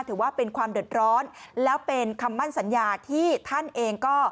ถือว่าเป็นความเดือดร้อนแล้วเป็นคำมั่นสัญญาที่ท่านเองก็